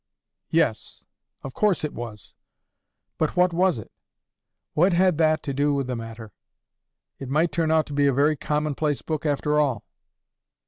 Yes. Of course it was. But what was it? What had that to do with the matter? It might turn out to be a very commonplace book after all.